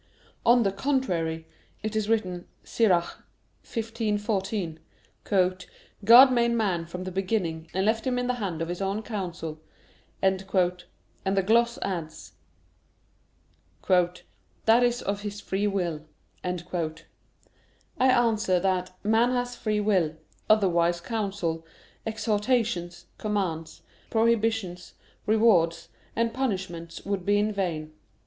On the contrary, It is written (Ecclus. 15:14): "God made man from the beginning, and left him in the hand of his own counsel"; and the gloss adds: "That is of his free will." I answer that, Man has free will: otherwise counsels, exhortations, commands, prohibitions, rewards, and punishments would be in vain.